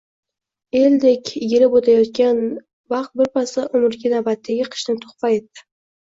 Eldek elib o`tayotgan vaqt birpasda umriga navbatdagi qishni tuhfa etdi